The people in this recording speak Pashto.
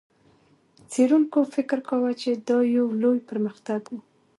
څېړونکو فکر کاوه، چې دا یو لوی پرمختګ و.